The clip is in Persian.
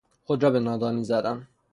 خود را به نادانی زدن